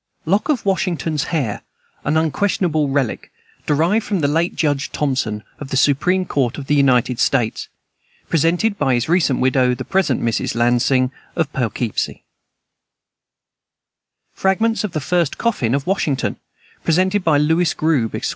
Lock of Washington's hair an unquestionable relic derived from the late Judge Thompson, of the supreme court of the United States. Presented by his recent widow, the present Mrs. Lansing, of Poughkeepsie. Fragments of the first coffin of Washington. Presented by Lewis Grube, Esq.